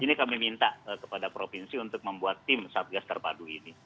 ini kami minta kepada provinsi untuk membuat tim satgas terpadu ini